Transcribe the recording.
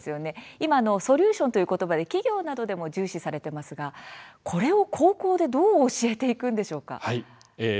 今はソリューションということばで企業などでも重視されていますがこれを高校でどうやって教えていくんでしょうか？